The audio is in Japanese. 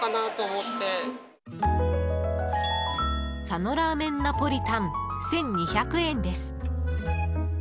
佐野らーめんナポリタン１２００円です。